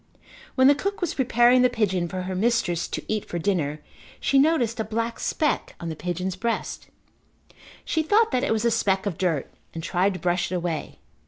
When the cook was preparing the pigeon for her mistress to eat for dinner she noticed a black speck on the pigeon's breast. She thought that it was a speck of dirt and tried to brush it away.